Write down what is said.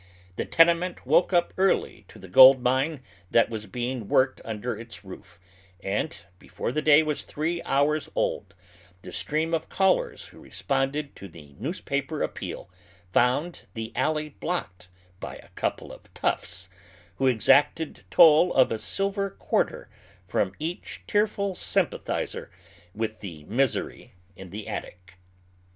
The tenement woke np early to the go!d mine that was being worked under its roof, and before the day was three liours old the stream of callers who i esponded to tlie news paper appeal found the alley blocked by a couple of " toughs," who exacted toll of a silver quarter from each* tearful sympathizer with the misery in the attic.